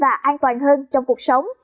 và an toàn hơn trong cuộc sống